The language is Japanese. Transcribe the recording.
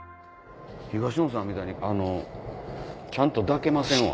東野さんみたいにちゃんと抱けませんわ。